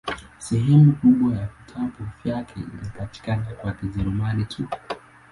Sehemu kubwa ya vitabu vyake inapatikana kwa Kijerumani tu.